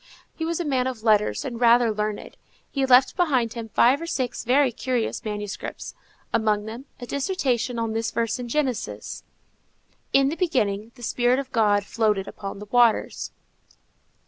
He was a man of letters and rather learned. He left behind him five or six very curious manuscripts; among others, a dissertation on this verse in Genesis, In the beginning, the spirit of God floated upon the waters.